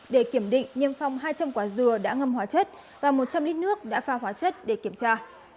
để kiểm định niêm phong hai trăm linh quả dừa đã ngâm hóa chất và một trăm linh lít nước đã pha hóa chất để kiểm tra